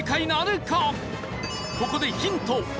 ここでヒント。